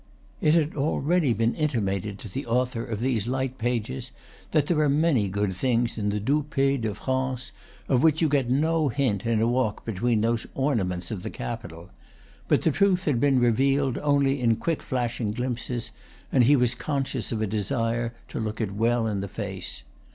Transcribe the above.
It had already been intimated to the author of these light pages that there are many good things in the doux pays de France of which you get no hint in a walk between those ornaments of the capital; but the truth had been re vealed only in quick flashing glimpses, and he was conscious of a desire to look it well in the face.